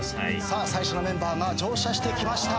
さあ最初のメンバーが乗車してきました。